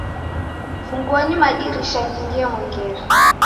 Funguonyi madirisha ghingire mwengere.